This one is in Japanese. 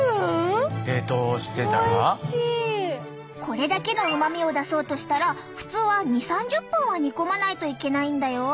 これだけのうまみを出そうとしたら普通は２０３０分は煮込まないといけないんだよ。